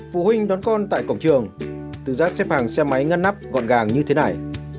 phụ huynh đón con tại cổng trường tự giác xếp hàng xe máy ngăn nắp gọn gàng như thế này